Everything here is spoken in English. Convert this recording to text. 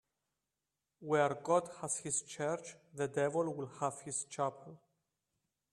Where God has his church, the devil will have his chapel.